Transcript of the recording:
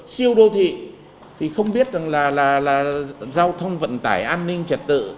siêu đô thị thì không biết rằng là giao thông vận tải an ninh trật tự